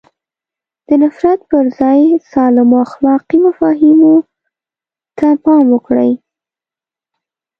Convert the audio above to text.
د نفرت پر ځای سالمو اخلاقي مفاهیمو ته پام وکړي.